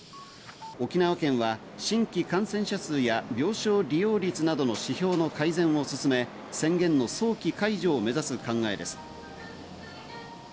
沖縄県は新規感染者数や病床利用率などの指標の改善を進め、宣言の早期解除を目指す考えです。